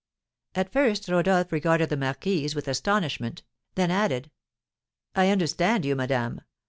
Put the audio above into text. At first Rodolph regarded the marquise with astonishment, then added, "I understand you, madame.